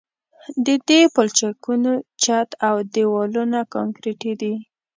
د دې پلچکونو چت او دیوالونه کانکریټي دي